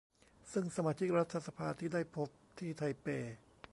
ซึ่งสมาชิกรัฐสภาที่ได้พบที่ไทเป